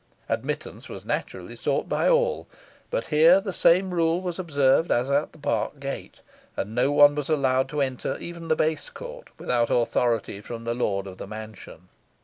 Admittance was naturally sought by all; but here the same rule was observed as at the park gate, and no one was allowed to enter, even the base court, without authority from the lord of the mansion.